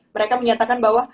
mereka menyatakan bahwa